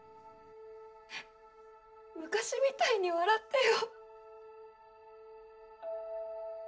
昔みたいに笑ってよ。